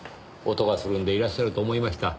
音がするんでいらっしゃると思いました。